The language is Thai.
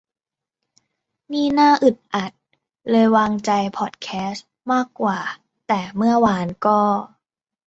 นี่น่าอึดอัด เลยวางใจพอดแคสต์มากกว่า แต่เมื่อวานก็